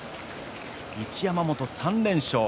一山本、３連勝。